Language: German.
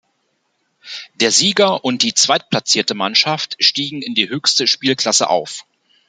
Der Sieger und die zweitplatzierte Mannschaft stiegen in die höchste Spielklasse auf.